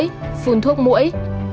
diệt mũi phun thuốc mũi